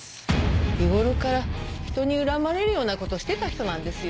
日頃から人に恨まれるようなことしてた人なんですよ。